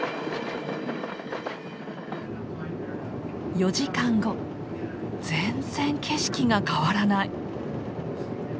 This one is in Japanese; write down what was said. ４時間後全然景色が変わらない。